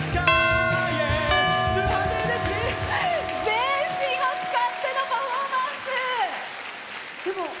全身を使ってのパフォーマンス。